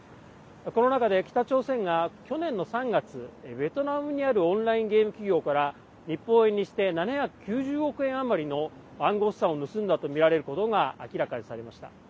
この中で北朝鮮が去年の３月ベトナムにあるオンラインゲーム企業から日本円にして７９０億円余りの暗号資産を盗んだとみられることが明らかにされました。